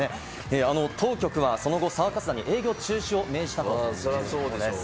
当局はその後、サーカス団に営業の中止を命じたということです。